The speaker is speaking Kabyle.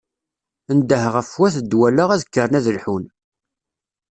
Ndeh ɣef wat Dwala ad kkren ad lḥun.